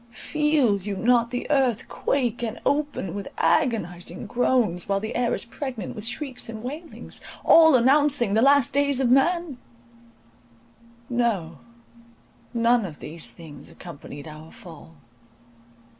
Feel you not the earth quake and open with agonizing groans, while the air is pregnant with shrieks and wailings,— all announcing the last days of man? No! none of these things accompanied our fall!